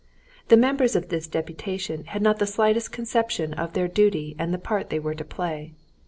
The members of this deputation had not the slightest conception of their duty and the part they were to play.